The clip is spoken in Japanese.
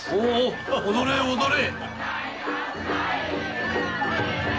踊れ踊れ！